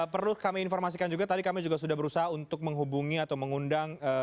perlu kami informasikan juga tadi kami juga sudah berusaha untuk menghubungi atau mengundang